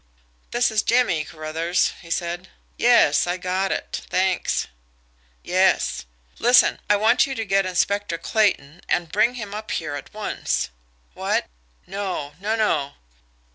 "This is Jimmie, Carruthers," he said. "Yes, I got it. Thanks. ... Yes. ... Listen. I want you to get Inspector Clayton, and bring him up here at once. ... What? No, no no!